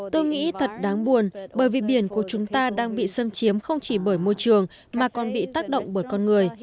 tôi nghĩ thật đáng buồn bởi vì biển của chúng ta đang bị xâm chiếm không chỉ bởi môi trường mà còn bị tác động bởi con người